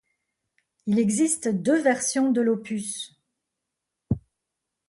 Il existe deux versions de l'opus.